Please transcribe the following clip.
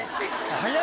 早い。